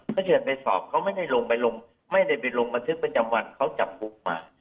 เขาเชิญไปสอบเขาไม่ได้ลงบันทึกประจำวันเขาจับกุบมา